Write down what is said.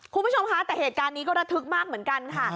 คุณผู้ชมคะแต่เหตุการณ์นี้ก็ระทึกมากเหมือนกันค่ะ